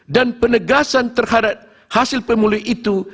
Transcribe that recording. dan penegasan terhadap hasil pemilih itu